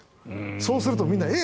そうするとみんなえ？